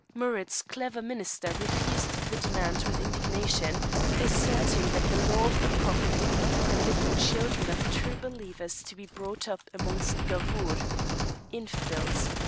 Amurath's clever minister refused the demand with indignation, asserting that the law of the prophet did not permit the children of true believers to be brought up amongst ghiaours.